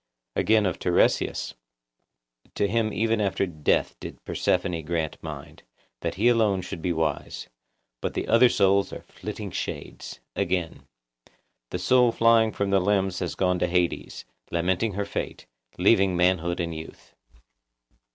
Again of Tiresias:— '(To him even after death did Persephone grant mind,) that he alone should be wise; but the other souls are flitting shades.' Again:— 'The soul flying from the limbs had gone to Hades, lamenting her fate, leaving manhood and youth.